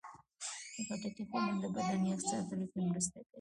د خټکي خوړل د بدن یخ ساتلو کې مرسته کوي.